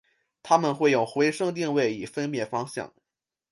它们会用回声定位以分辨方向。